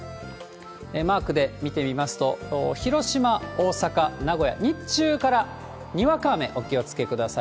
マークで見てみますと、広島、大阪、名古屋、日中からにわか雨、お気をつけください。